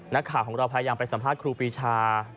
นักข่าวของเราพยายามไปสัมภาษณ์ครูปีชา